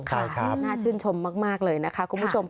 ใช่ครับน่าชื่นชมมากเลยนะคะคุณผู้ชม